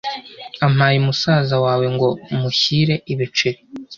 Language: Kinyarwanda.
Ampaye musaza wawe ngo mushyire ibiceri